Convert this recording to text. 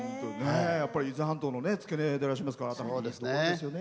伊豆半島の付け根でいらっしゃいますからね。